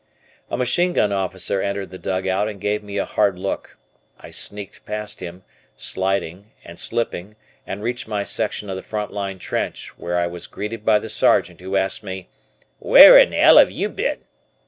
A machine gun officer entered the dugout and gave me a hard look. I sneaked past him, sliding, and slipping and reached my section of the front line trench where I was greeted by the Sergeant, who asked me, "Where in 'ell 'ave you been?"